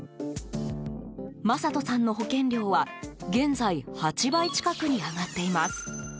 マサトさんの保険料は現在８倍近くに上がっています。